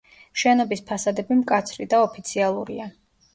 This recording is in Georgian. შენობის ფასადები მკაცრი და ოფიციალურია.